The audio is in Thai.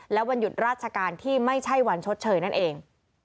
และวันหยุดราชการที่ไม่ใช่วันชดเชยนั่นเอง